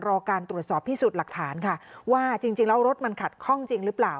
รอการตรวจสอบพิสูจน์หลักฐานค่ะว่าจริงแล้วรถมันขัดข้องจริงหรือเปล่า